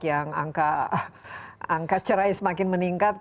yang angka cerai semakin meningkat